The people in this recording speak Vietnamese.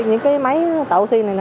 những cái máy tạo oxy này